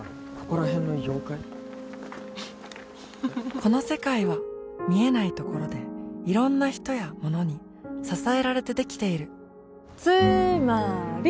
この世界は見えないところでいろんな人やものに支えられてできているつーまーり！